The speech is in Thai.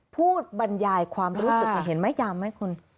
บรรยายความรู้สึกเห็นไหมยามไหมคุณ